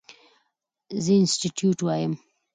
زه انسټيټيوټ وایم.